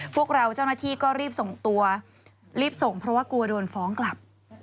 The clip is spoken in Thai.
พวกเราเจ้าหน้าที่ก็รีบส่งตัวรีบส่งเพราะว่ากลัวโดนฟ้องกลับ